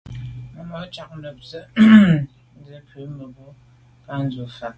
Màmá cák nâptə̄ tsə̂ cú mə̀bró nə̀ nɛ̌n cɑ̌k dʉ̀ vwá.